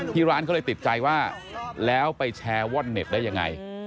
ที่ร้านก็เลยติดใจว่าแล้วไปแชร์วอดเน็ตได้อย่างไร